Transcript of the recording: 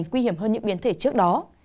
nguy hiểm hơn những biến thể trước đó